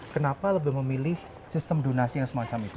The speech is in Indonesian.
kenapa lebih memilih sistem donasi yang semacam itu